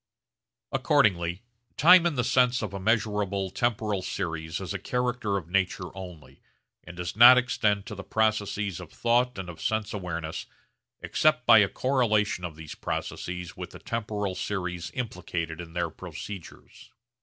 Accordingly time in the sense of a measurable temporal series is a character of nature only, and does not extend to the processes of thought and of sense awareness except by a correlation of these processes with the temporal series implicated in their procedures.